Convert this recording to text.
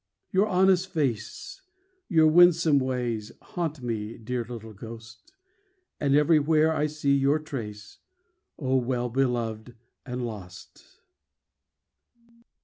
Your honest face, your winsome ways Haunt me, dear little ghost, And everywhere I see your trace, Oh, well beloved and lost!